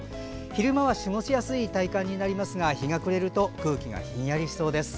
昼間は過ごしやすい体感になりますが日が暮れると空気がひんやりしそうです。